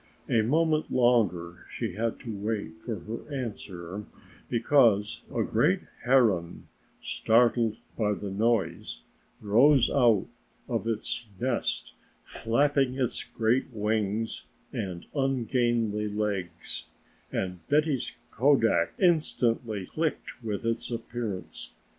A moment longer she had to wait for her answer because a great heron, startled by the noise, rose out of its nest flapping its great wings and ungainly legs and Betty's kodak instantly clicked with its appearance.